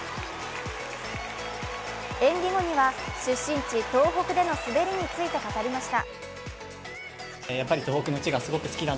演技後には出身地・東北での滑りについて語りました。